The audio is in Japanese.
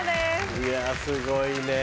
いやすごいねぇ。